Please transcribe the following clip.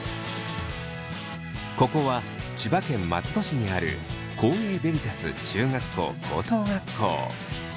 ここは千葉県松戸市にある光英ＶＥＲＩＴＡＳ中学校・高等学校。